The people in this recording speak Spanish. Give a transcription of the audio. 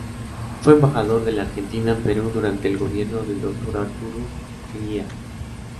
Fue embajador de la Argentina en Perú durante el gobierno del doctor Arturo Illia.